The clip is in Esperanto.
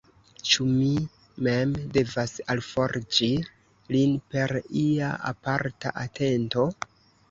Ĉu mi mem devas alforĝi lin per ia aparta atento?